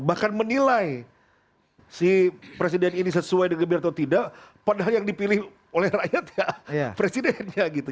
bahkan menilai si presiden ini sesuai dengan geber atau tidak padahal yang dipilih oleh rakyat ya presidennya gitu